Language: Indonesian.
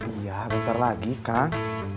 iya bentar lagi kak